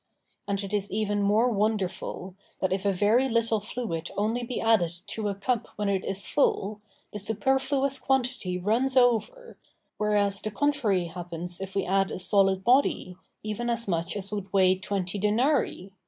And it is even more wonderful, that if a very little fluid only be added to a cup when it is full, the superfluous quantity runs over, whereas the contrary happens if we add a solid body, even as much as would weigh twenty denarii.